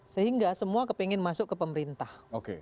sehingga semua kepingin masuk ke dua ribu dua puluh empat